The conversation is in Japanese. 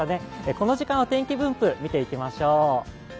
この時間のお天気分布、見ていきましょう。